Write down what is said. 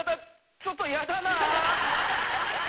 ちょっと嫌だなぁ。